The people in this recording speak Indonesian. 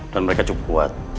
dan mereka cukup kuat